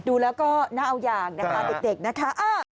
ดูแล้วก็น่าเอาอย่างนะคะเด็กนะคะ